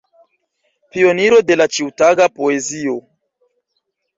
Pioniro de la ĉiutaga poezio.